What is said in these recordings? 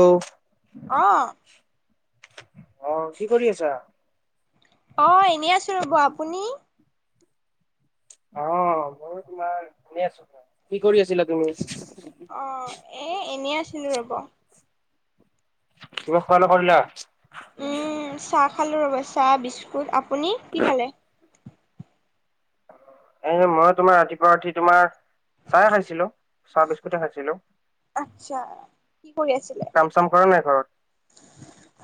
Hello? অ', আহ কি কৰি আছা? অ' এনেই আছো ৰ'ব, আপুনি? অ' ময়ো তোমাৰ এনে আছো। কি কৰি আছিলা তুমি? অঁ এই এনেই আছিলোঁ ৰ'ব। কিবা খোৱা লোৱা কৰিলা? উম, চাহ খালো ৰ'ব, চাহ বিস্কুট। আপুনি কি খালে? এই মই তোমাৰ ৰাতিপুৱা উঠি তোমাৰ চাহে খাইছিলো চাহ বিস্কুটে খাইছিলো। আচ্ছা, কি কৰি আছিলে। কাম চাম কৰা নাই ঘৰত?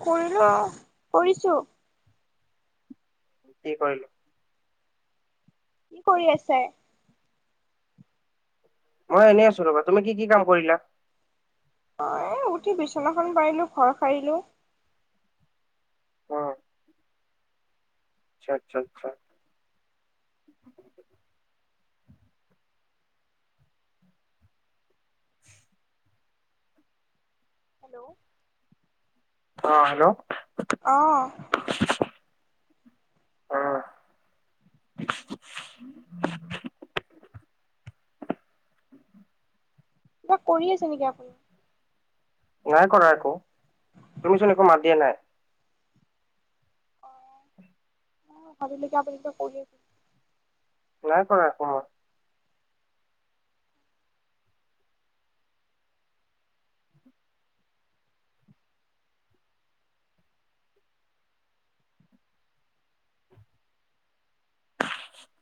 কৰিলো, কৰিছো। কি কৰিলো? কি কৰি আছে? মই এনেই আছোঁ ৰ'বা। তুমি কি কি কাম কৰিলা? অ' এই উঠি বিচনাখন পাৰিলোঁ, ঘৰ সাৰিলো। অ'। আইচ্ছা আচ্ছা আচ্ছা। [inaudible] হেল্ল'। অ' হেল্ল'। অ'। অ কিবা কৰি আছে নেকি আপুনি? নাই কৰা একো, তুমিচোন একো মাত দিয়া নাই। অ', অ' ভাবিলো কি আপুনি কিবা কৰি আছে। নাই কৰা [unintelligible] [inaudible]